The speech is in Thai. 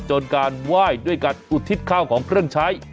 จนการไหว้ด้วยการอุทิศข้าวของเครื่องใช้